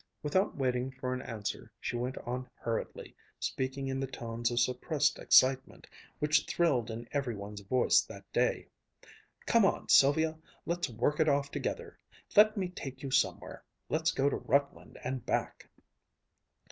Without waiting for an answer she went on hurriedly, speaking in the tones of suppressed excitement which thrilled in every one's voice that day: "Come on, Sylvia let's work it off together! Let me take you somewhere let's go to Rutland and back."